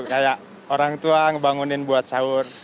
kayak orang tua ngebangunin buat sahur